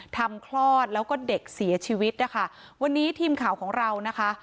คลอดแล้วก็เด็กเสียชีวิตนะคะวันนี้ทีมข่าวของเรานะคะ